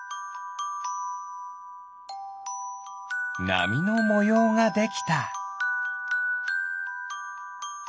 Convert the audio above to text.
なみのもようができた。